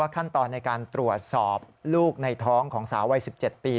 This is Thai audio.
ขั้นตอนในการตรวจสอบลูกในท้องของสาววัย๑๗ปี